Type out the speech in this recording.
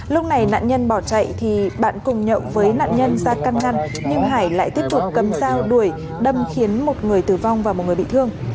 lúc này nạn nhân bỏ chạy thì bạn cùng nhậu với nạn nhân ra căn ngăn nhưng hải lại tiếp tục cầm dao đuổi đâm khiến một người tử vong và một người bị thương